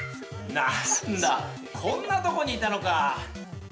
◆何だ、こんなとこにいたのか。